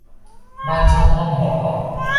บ้านช่องห้องหอ